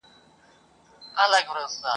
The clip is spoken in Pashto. له وړو لویو مرغانو له تنزرو !.